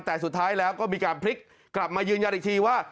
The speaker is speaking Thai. แต่สุดท้ายแล้วก็มีการพลิกกลับมายืนยันอีกทีว่า